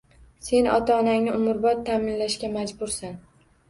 Sen ota-onangni umrbod taʼminlashga majbursan.